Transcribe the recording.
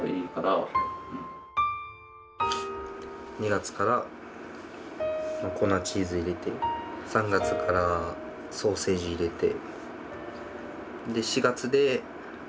２月から粉チーズ入れて３月からソーセージ入れて。